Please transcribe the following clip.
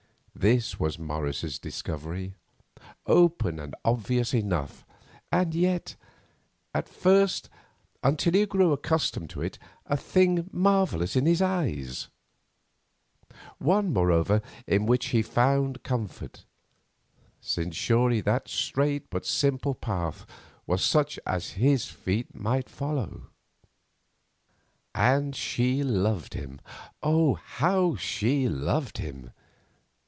This was Morris's discovery, open and obvious enough, and yet at first until he grew accustomed to it, a thing marvellous in his eyes; one, moreover, in which he found comfort; since surely that straight but simple path was such as his feet might follow. And she loved him. Oh! how she had loved him.